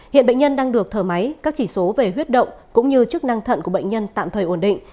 hiện bệnh nhân đang được thở máy các chỉ số về huyết động cũng như chức năng thận của bệnh nhân tạm thời ổn định